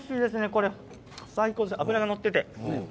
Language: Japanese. これ最高、脂が乗っていて。